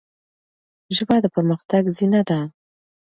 ژبه د پرمختګ زینه ده.